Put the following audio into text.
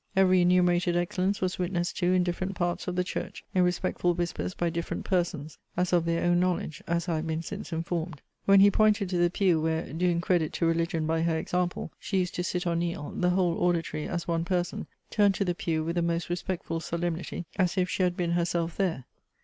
Every enumerated excellence was witnessed to in different parts of the church in respectful whispers by different persons, as of their own knowledge, as I have been since informed. When he pointed to the pew where (doing credit to religion by her example) she used to sit or kneel, the whole auditory, as one person, turned to the pew with the most respectful solemnity, as if she had been herself there.